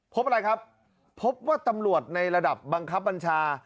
พบอะไรครับพบว่าตำรวจในระดับบังคับบัญชา